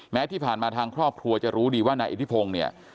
แม้ที่ผ่านมาทางครอบครัวจะรู้ดีว่านายอิทธิพงศ์เนี่ย